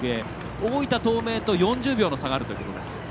大分東明と４０秒の差があるということです。